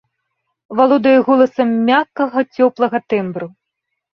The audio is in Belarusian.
Валодае голасам мяккага цёплага тэмбру.